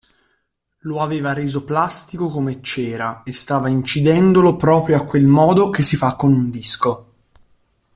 Lo aveva reso plastico come cera e stava incidendolo proprio a quel modo che si fa con un disco.